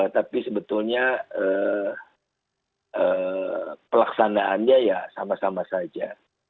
tapi sebetulnya pelaksanaannya ya sama sama saja